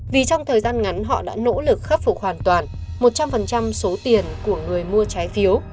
vì trong thời gian ngắn họ đã nỗ lực khắc phục hoàn toàn một trăm linh số tiền của người mua trái phiếu